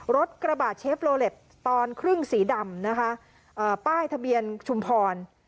รถกระบะเชฟโลเล็ตตอนครึ่งสีดำนะคะป้ายทะเบียนชุมพร